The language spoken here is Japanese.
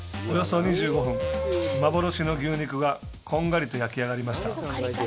およそ２５分、幻の牛肉がこんがりと焼き上がりました。